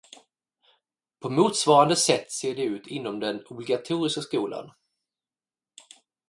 På motsvarande sätt ser det ut inom den obligatoriska skolan.